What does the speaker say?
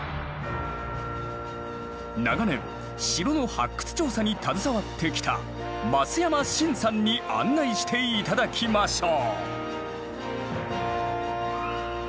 長年城の発掘調査に携わってきた増山慎さんに案内して頂きましょう。